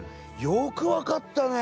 「よくわかったね！」